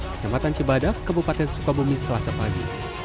kecamatan cebada kabupaten sukabumi selasa padi